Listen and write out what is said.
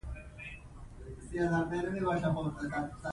هنر د ډله ییز کار او د همکارۍ د روحیې د پیاوړتیا لامل ګرځي.